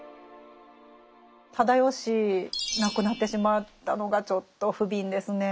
直義亡くなってしまったのがちょっと不憫ですね。